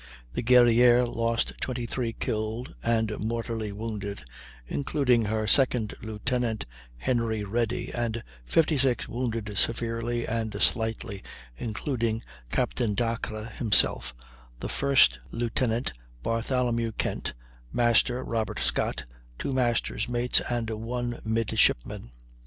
The Guerrière lost 23 killed and mortally wounded, including her second lieutenant, Henry Ready, and 56 wounded severely and slightly, including Captain Dacres himself, the first lieutenant, Bartholomew Kent, Master, Robert Scott, two master's mates, and one midshipman.